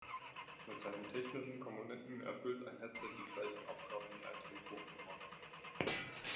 Mit seinen technischen Komponenten erfüllt ein Headset die gleichen Aufgaben wie ein Telefonhörer.